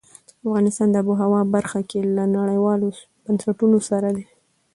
افغانستان د آب وهوا برخه کې له نړیوالو بنسټونو سره دی.